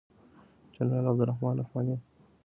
جنرال عبدالرحمن رحماني